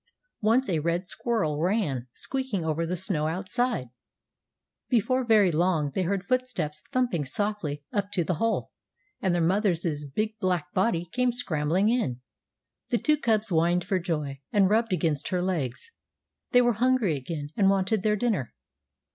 Once a red squirrel ran squeaking over the snow outside. Before very long they heard footsteps thumping softly up to the hole, and their mother's big black body came scrambling in. The two cubs whined for joy, and rubbed against her legs. They were hungry again, and wanted their dinner.